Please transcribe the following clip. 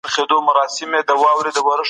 زه د چاپیریال په پاک ساتلو اخته یم.